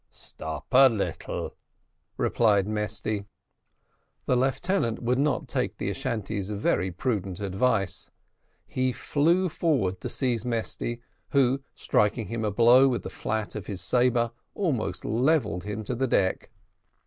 "Stop a little," replied Mesty. The lieutenant would not take the Ashantee's very prudent advice; he flew forward to seize Mesty, who striking him a blow with the flat of his sabre, almost levelled him to the deck.